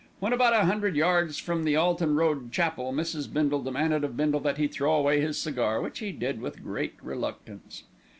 When about a hundred yards from the Alton Road Chapel, Mrs. Bindle demanded of Bindle that he throw away his cigar, which he did with great reluctance.